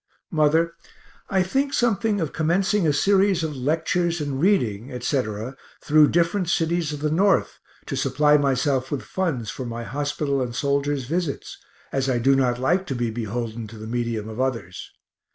Mother, I think something of commencing a series of lectures and reading, etc., through different cities of the North, to supply myself with funds for my hospital and soldiers' visits, as I do not like to be beholden to the medium of others.